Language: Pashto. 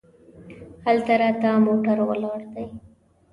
هلته راته موټر ولاړ دی.